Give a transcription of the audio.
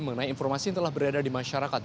mengenai informasi yang telah beredar di masyarakat